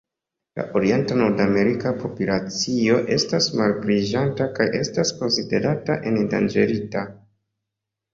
La orienta nordamerika populacio estas malpliiĝanta kaj estas konsiderata endanĝerita.